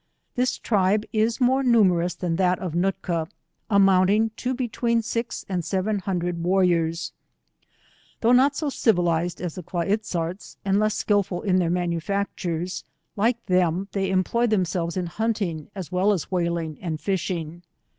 This tribe is more numerous than that of Nootka, Rmounting tobetw een s'ix and seven huudred warri or?. Though* not so civilized as the Kla iz zarts aQ(i less skilful in their manufactures, like them Ihey employ themselv'es in hunting as well as ia Tf haling and fishing.